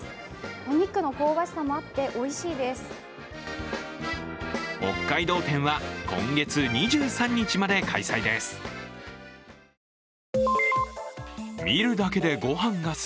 お肉の香ばしさもあっておいしいです。